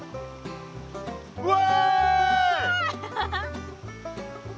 うわ！